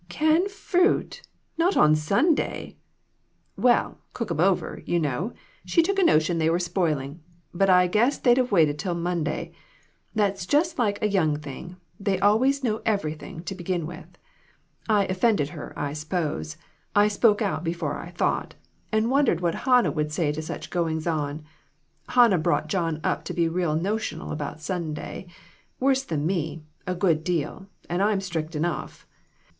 " Can fruit ! Not on Sunday ?" "Well, cook 'em over, you know she took a notion they were spoiling; but I guess they'd have waited till Monday. That's just like a young thing; they always know everything, to begin with. I offended her, I suppose; I spoke out before I thought, and wondered what Hannah would say to such goings on. Hannah brought John up to be real notional about Sunday ; worse than me, a good deal, and I'm strict enough.